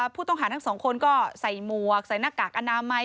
ผู้ต้องหาทั้งสองคนก็ใส่หมวกใส่หน้ากากอนามัย